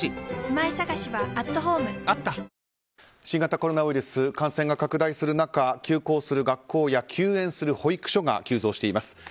新型コロナウイルス感染が拡大する中休校する学校や休園する保育所が急増しています。